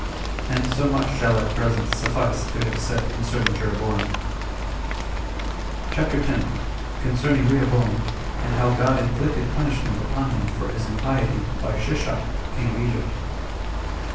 And so much shall at present suffice to have said concerning Jeroboam. CHAPTER 10. Concerning Rehoboam, And How God Inflicted Punishment Upon Him For His Impiety By Shishak [King Of Egypt].